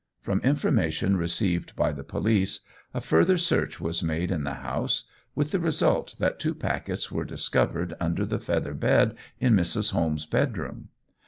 From information received by the police, a further search was made in the house, with the result that two packets were discovered under the feather bed in Mrs. Holmes' bedroom.